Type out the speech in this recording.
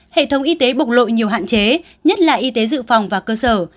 hệ thống y tế bộc lộ nhiều hạn chế nhất là y tế dự phòng và cơ sở